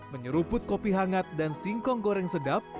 menyeruput kopi hangat dan singkong goreng sedap